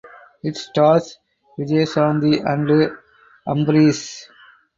It stars Vijayashanti and Ambareesh.